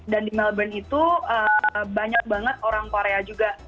di melbourne itu banyak banget orang korea juga